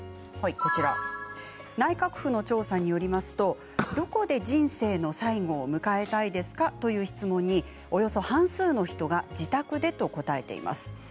内閣府の調査によりますとどこで人生の最期を迎えたいですかという質問におよそ半数の人が自宅でと答えています。